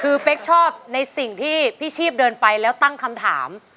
คือเป๊กชอบในสิ่งที่พี่ชีพเดินไปแล้วตั้งคำถาม